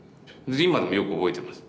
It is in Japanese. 今でもよく覚えてます